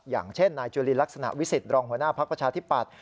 อย่างเช่นนายจุลินลักษณะวิสิตรองหัวหน้าภักดิ์ประชาธิปัตย